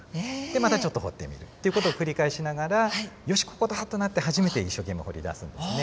またちょっと掘ってみるっていう事を繰り返しながら「よしここだ」となって初めて一生懸命掘り出すんですね。